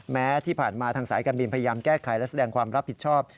แม้ที่ผ่านมาทางสายการบินพยายามแก้ไขและแสดงความรับผิดชอบ